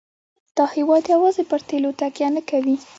دا هېواد یوازې پر تیلو تکیه نه کوي.